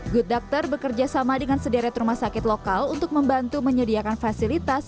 good doctor bekerja sama dengan sederet rumah sakit lokal untuk membantu menyediakan fasilitas